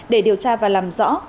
để điều tra và làm rõ